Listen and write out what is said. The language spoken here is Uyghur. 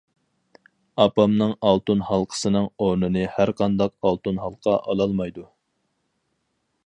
ئاپامنىڭ ئالتۇن ھالقىسىنىڭ ئورنىنى ھەرقانداق ئالتۇن ھالقا ئالالمايدۇ.